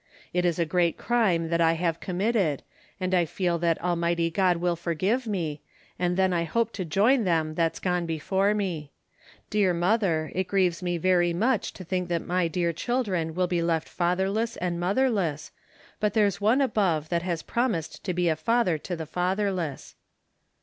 It is a great crime that I have committed, and I feel that Almighty God will forgive me, and then I hope to join them that's gone before me. Dear mother, it grieves me very much to think that my dear children will be left fatherless and motherless, but there's one above that has promised to be a father to the fatherless.